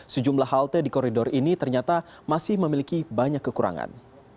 sejumlah halte di koridor ini ternyata masih memiliki banyak kekurangan